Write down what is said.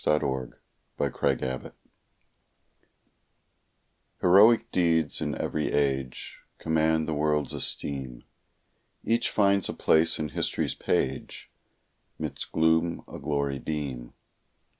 THE HEROES OF OUR DAY Heroic deeds in every age Command the world's esteem; Each finds a place in history's page, 'Midst gloom a glory beam.